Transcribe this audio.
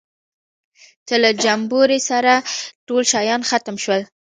چې له جمبوري سره ټول شیان ختم شول.